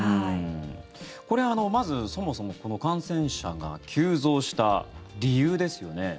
これはそもそも感染者が急増した理由ですよね。